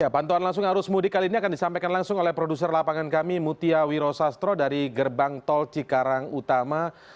pantauan langsung arus mudik kali ini akan disampaikan langsung oleh produser lapangan kami mutia wiro sastro dari gerbang tol cikarang utama